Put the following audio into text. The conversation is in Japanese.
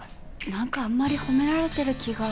何かあんまり褒められてる気が。